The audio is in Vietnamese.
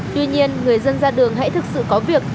tuy nhiên người dân ra đường hãy thực sự có việc